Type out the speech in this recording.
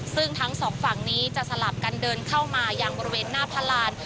ซึ่งทั้งสองฝั่งนี้จะสลับกันเดินเข้ามายังบริเวณหน้าพลาน